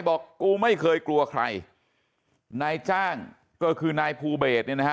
บอกกูไม่เคยกลัวใครนายจ้างก็คือนายภูเบสเนี่ยนะฮะ